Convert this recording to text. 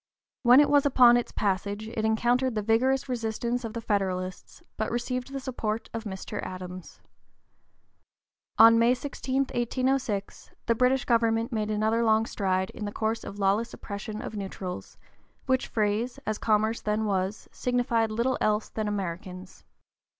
When it was upon its passage it encountered the vigorous resistance of the Federalists, but received the support of Mr. Adams. On May 16, 1806, the British government made another long stride in the course of lawless oppression of neutrals, which phrase, as commerce then was, signified little else than Americans.